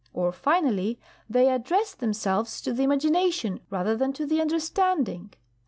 Or, finally, they address themselves to the imagination rather than to the understanding.